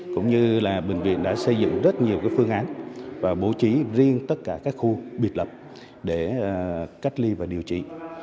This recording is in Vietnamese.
cũng như là bệnh viện đã xây dựng rất nhiều phương án và bố trí riêng tất cả các khu biệt lập để cách ly và điều trị